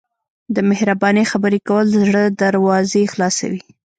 د مهربانۍ خبرې کول د زړه دروازې خلاصوي.